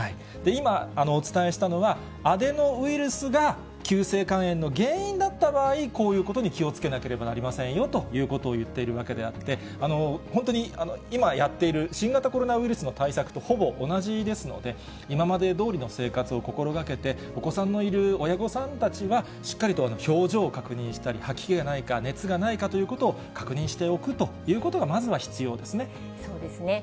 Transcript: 今、お伝えしたのは、アデノウイルスが急性肝炎の原因だった場合、こういうことに気をつけなければなりませんよということを言っているわけであって、本当に今やっている新型コロナウイルスの対策とほぼ同じですので、今までどおりの生活を心がけて、お子さんのいる親御さんたちはしっかりと表情を確認したり、吐き気がないか、熱がないかということを確認しておくということそうですね。